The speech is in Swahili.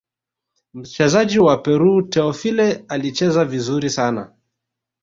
mchezaji wa peru teofile alicheza vizuri sana